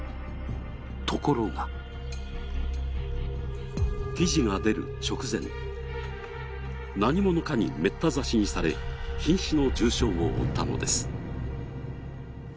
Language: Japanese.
ところが記事が出る直前、何者かにメッタ刺しにされ瀕死の重傷を負ったのです。